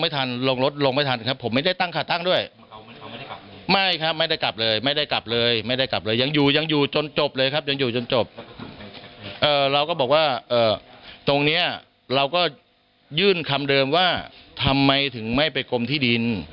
ตรงนี้เราก็ยื่นคำเดิมว่าทำไมถึงไม่ไปกลมในที่ดิน